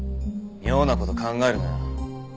妙な事考えるなよ。